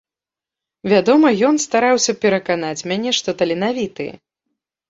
Вядома, ён стараўся пераканаць мяне, што таленавіты.